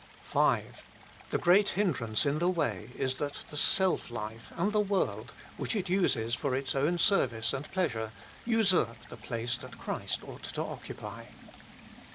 5. The great hindrance in the way is that the self life, and the world, which it uses for its own service and pleasure, usurp the place that Christ ought to occupy.